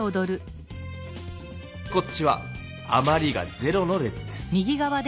こっちはあまりが０の列です。